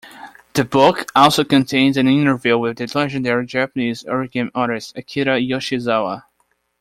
The book also contains an interview with the legendary Japanese origami artist Akira Yoshizawa.